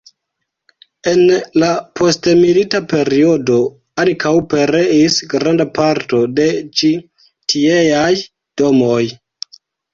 En la postmilita periodo ankaŭ pereis granda parto de ĉi tieaj domoj.